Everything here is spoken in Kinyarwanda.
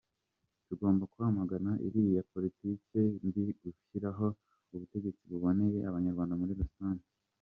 Tugomba kwamagana iriya politiki mbi tugashyiraho ubutegetsi buboneye Abanyarwanda muri rusange.